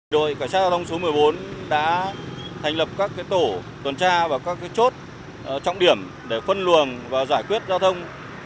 đội cảnh sát giao thông số một mươi bốn đã thành lập các tổ tuần tra vào các chốt trọng điểm để phân luồng và giải quyết giao thông